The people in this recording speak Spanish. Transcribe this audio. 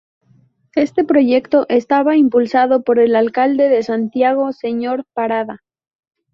Este proyecto estaba impulsado por el alcalde de Santiago, señor Parada.